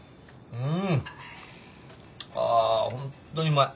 うん。